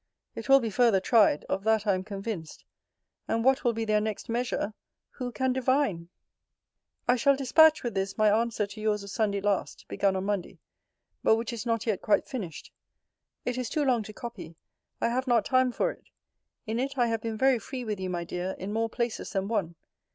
It will be farther tried; of that I am convinced; and what will be their next measure, who can divine? * See Letter XLII. of Vol. I. Ibid. I shall dispatch, with this, my answer to your's of Sunday last, begun on Monday;* but which is not yet quite finished. It is too long to copy: I have not time for it. In it I have been very free with you, my dear, in more places than one.